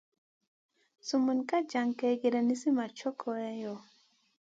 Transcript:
Sumun ka jan kègèda nizi ma co koleyo.